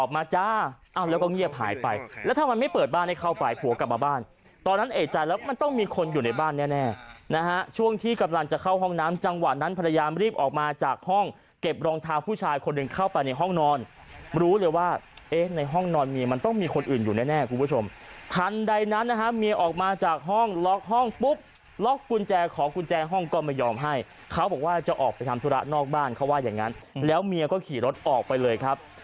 มาจ้าอ้าวแล้วก็เงียบหายไปแล้วถ้ามันไม่เปิดบ้านให้เข้าไปผัวกลับมาบ้านตอนนั้นเอกใจแล้วมันต้องมีคนอยู่ในบ้านแน่นะฮะช่วงที่กำลังจะเข้าห้องน้ำจังหวัดนั้นพยายามรีบออกมาจากห้องเก็บรองทาผู้ชายคนหนึ่งเข้าไปในห้องนอนรู้เลยว่าเอ๊ะในห้องนอนมีมันต้องมีคนอื่นอยู่แน่คุณผู้ชมทันใดนั้นนะฮะเมีย